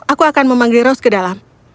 aku akan memanggil ros ke dalam